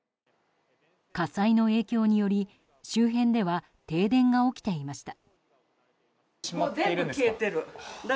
火災の影響により周辺では停電が起きていました。